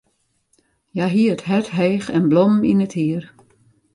Hja hie it hert heech en blommen yn it hier.